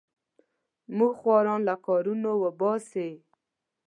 موږ خواران له کارونو وباسې.